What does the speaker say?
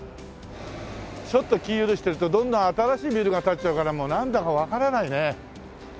ちょっと気許してるとどんどん新しいビルが建っちゃうからもうなんだかわからないね。